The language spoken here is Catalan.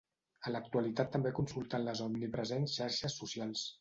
A l'actualitat també consultant les omnipresents xarxes socials